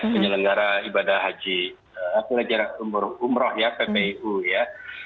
penyelenggara ibadah haji umroh ya ppu ya